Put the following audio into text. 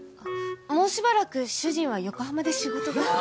もうしばらく主人は横浜で仕事が。